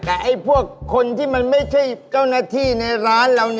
แต่ไอ้พวกคนที่มันไม่ใช่เจ้าหน้าที่ในร้านเรา